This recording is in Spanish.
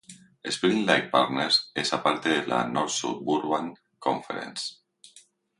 Spring Lake Park Panthers es a parte de la North Suburban Conference.